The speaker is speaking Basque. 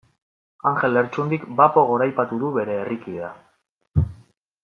Anjel Lertxundik bapo goraipatu du bere herrikidea.